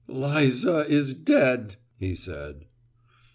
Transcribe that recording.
"Liza is dead!" he said.